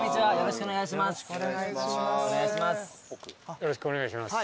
よろしくお願いします。